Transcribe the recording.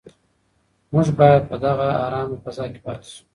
موږ باید په دغه ارامه فضا کې پاتې شو.